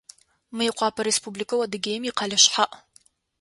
Мыекъуапэ Республикэу Адыгеим икъэлэ шъхьаӏ.